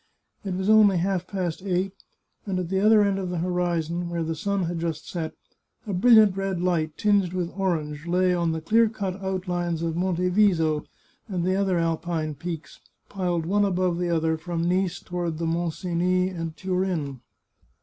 It was only half past eight, and at the other end of the horizon, where the sun had just set, a brilliant red light, tinged with orange, lay on the clear cut outlines of Monte Viso, and the other Alpine peaks, piled one above the other from Nice toward the Mont Cenis and Turin.